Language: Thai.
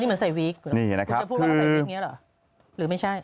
นี่เหมือนใส่วิกนะครับคุณจะพูดมาว่าใส่วิกอย่างนี้หรือไม่ใช่